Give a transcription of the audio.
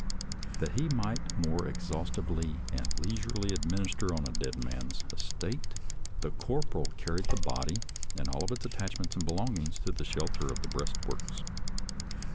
That he might the more exhaustively and leisurely administer on the dead man's es tate, the corporal carried the body and all its attachments and belongings to the shelter of the breastworks.